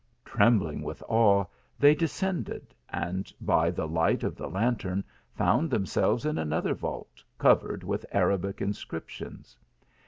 Trembling with awe they descended, and by the light of the lantern found themselves in another vault, covered with Arabic inscriptions.